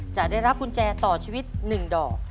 จะได้รับกุญแจต่อชีวิต๑ดอก